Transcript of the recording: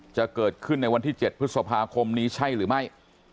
จะเกิดขึ้นในวันที่๗พฤษภาคมนี้ใช่หรือไม่